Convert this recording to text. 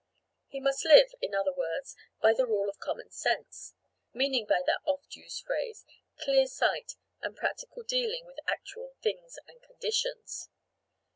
He must live, in other words, by the rule of common sense; meaning by that oft used phrase, clear sight and practical dealing with actual things and conditions.